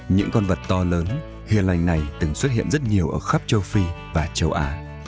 những con vật to lớn hiền lành này từng xuất hiện rất nhiều ở khắp châu phi và châu á